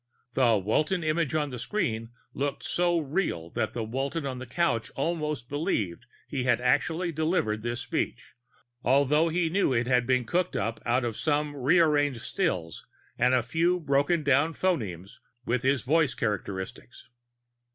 The Walton image on the screen looked so real that the Walton on the couch almost believed he had actually delivered this speech although he knew it had been cooked up out of some rearranged stills and a few brokendown phonemes with his voice characteristics.